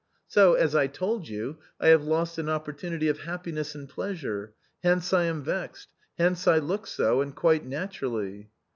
So, as I told you, I have lost an opportunity of happiness and pleasure; hence I am vexed ; hence I look so, and quite naturally."